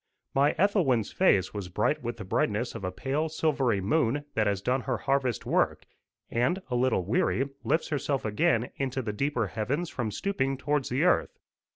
My Ethelwyn's face was bright with the brightness of a pale silvery moon that has done her harvest work, and, a little weary, lifts herself again into the deeper heavens from stooping towards the earth.